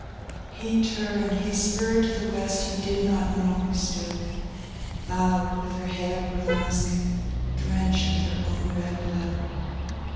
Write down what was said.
VIII He turned; he spurred to the West; he did not know who stood Bowed, with her head o'er the musket, drenched with her own red blood!